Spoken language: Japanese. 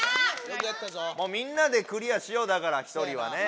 もうみんなでクリアしようだから１人はね。